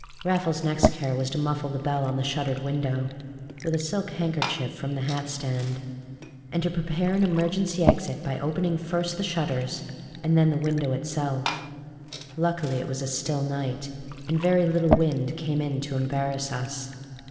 Raffle's next care was to muffle the bell on the shuttered window (with a silk handkerchief from the hat stand) and to prepare an emergency exit by opening first the shutters and then the window itself. Luckily it was a still night, and very little wind came in to embarrass us.